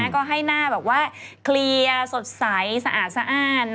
ก็ให้หน้าแบบว่าเคลียร์สดใสสะอาดสะอ้าน